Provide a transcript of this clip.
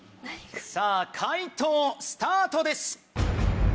さぁ解答スタートです。